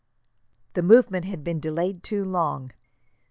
The movement had been delayed too long.